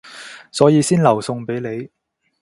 所以先留餸畀你